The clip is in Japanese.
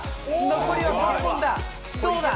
残りは３本だ。